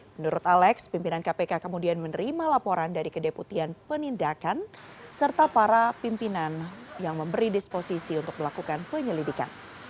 menurut alex pimpinan kpk kemudian menerima laporan dari kedeputian penindakan serta para pimpinan yang memberi disposisi untuk melakukan penyelidikan